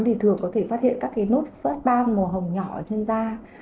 thì thường có thể phát hiện các nốt phát ban màu hồng nhỏ trên da